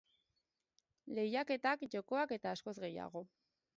Lehiaketak, jokoak eta askoz gehiago.